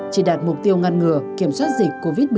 chỉ đạt mục tiêu ngăn ngừa kiểm soát dịch covid một mươi chín